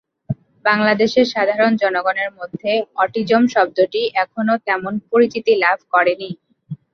বাংলাদেশের সাধারণ জনগণের মধ্যে অটিজম শব্দটি এখনও তেমন পরিচিতি লাভ করেনি।